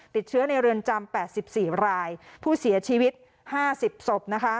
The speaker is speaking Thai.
ติดเชื้อในเรือนจำ๘๔รายผู้เสียชีวิต๕๐ศพนะคะ